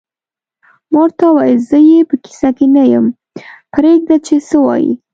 ما ورته وویل: زه یې په کیسه کې نه یم، پرېږده چې څه وایې.